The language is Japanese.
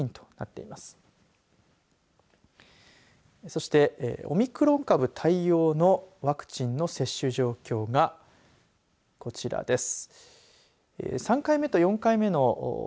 そして、オミクロン株対応のワクチンの接種状況がこちらです。